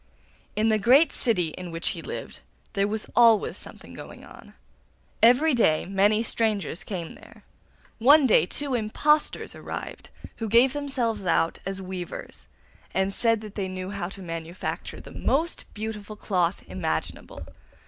In the great city in which he lived there was always something going on; every day many strangers came there. One day two impostors arrived who gave themselves out as weavers, and said that they knew how to manufacture the most beautiful cloth imaginable.